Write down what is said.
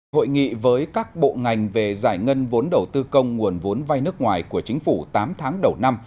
hội nghị với các bộ ngành về giải ngân vốn đầu tư công nguồn vốn vai nước ngoài của chính phủ tám tháng đầu năm